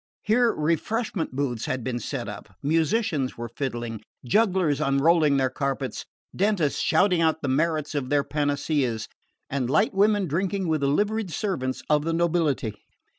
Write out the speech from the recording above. Here refreshment booths had been set up, musicians were fiddling, jugglers unrolling their carpets, dentists shouting out the merits of their panaceas, and light women drinking with the liveried servants of the nobility.